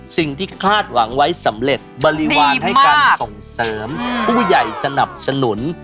คาดหวังไว้สำเร็จบริวารให้การส่งเสริมผู้ใหญ่สนับสนุน